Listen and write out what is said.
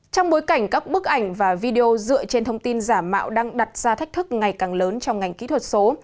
trong bối cảnh các bức ảnh và video dựa trên thông tin giả mạo đang đặt ra thách thức ngày càng lớn trong ngành kỹ thuật số